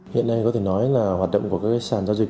hiện nay có thể nói là hoạt động của các sàn giao dịch